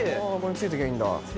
ついていきゃいいんだ。